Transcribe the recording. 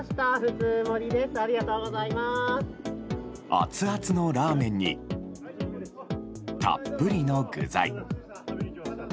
アツアツのラーメンにたっぷりの具材。